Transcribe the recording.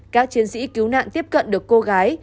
các chiến sĩ cứu nạn tiếp cận được cô gái